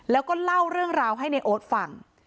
แล้วก็เล่าเรื่องราวให้ในโอ๊ตฟัง